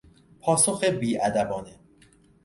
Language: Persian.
پاسخ بیادبانه